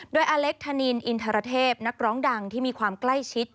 โดยอเล็กธนินอินทรเทพนักร้องดังที่มีความใกล้ชิด